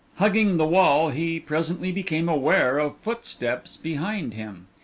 Hugging the wall, he presently became aware of footsteps behind him.